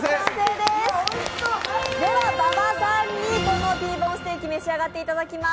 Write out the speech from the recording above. では、馬場さんにＴボーンステーキ召し上がっていただきます。